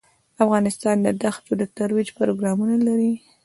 افغانستان د دښتو د ترویج پروګرامونه لري.